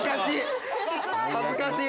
恥ずかしい！